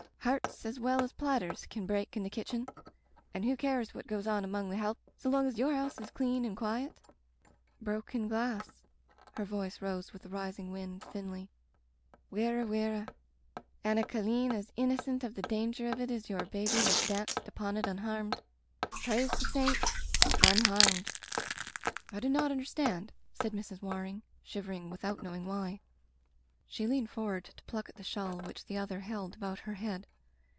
Hearts as well as platters can break in the kitchen, and who cares what goes on among the help so long as your house is clean and quiet ?" Broken glass. ... Her voice rose with the rising wind, thinly, ••. "Wirra, wirra — an* a colleen as innocent of the danger of it as your baby that danced upon it un harmed — praise the saints! — unharmed. ...*' *'I do not understand," said Mrs. Waring, shivering without knowing why. She leaned forward to pluck at the shawl which the other held about her head.